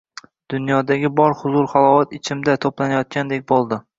Dunyodagi bor huzur-halovat ichimda to‘planayotgandek bo‘ldi